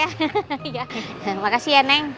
terima kasih ya nek